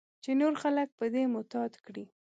چې نور خلک په دې متقاعد کړې.